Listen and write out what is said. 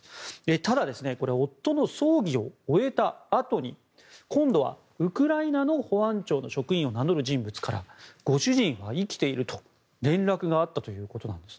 ただ、夫の葬儀を終えたあとに今度はウクライナの保安庁の職員を名乗る人物からご主人は生きていると連絡があったということなんです。